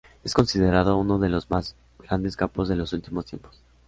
Es considerado uno de los más grandes capos de los últimos tiempos.